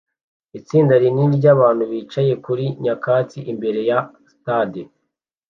Itsinda rinini ryabantu bicaye kuri nyakatsi imbere ya stade